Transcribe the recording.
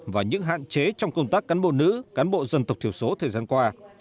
và những hạn chế trong công tác cán bộ nữ cán bộ dân tộc thiểu số thời gian qua